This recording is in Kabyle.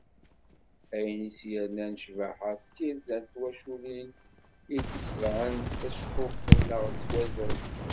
Ayen i as-yernan ccbaḥa d tirza n twaculin i itebɛen taceqquft-nneɣ s wazal.